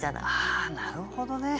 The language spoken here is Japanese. あなるほどね。